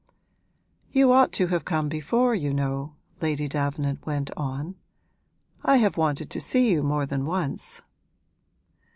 'You ought to have come before, you know,' Lady Davenant went on. 'I have wanted to see you more than once.'